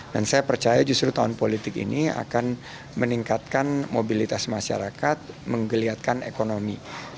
dan saya percaya justru tahun politik ini akan meningkatkan mobilitas masyarakat menggeliatkan ekonomi